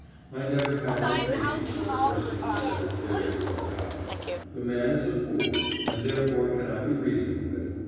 I never had any patience with a person who says "there is no God." The man is a fool, and therefore cannot be reasoned with.